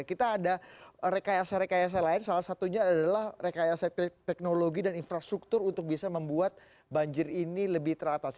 kita ada rekayasa rekayasa lain salah satunya adalah rekayasa teknologi dan infrastruktur untuk bisa membuat banjir ini lebih teratas